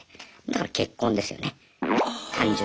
だから結婚ですよね単純に。